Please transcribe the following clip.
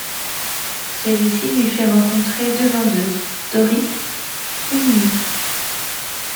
Celui-ci lui fait rencontrer deux vendeuses, Doris et Milly.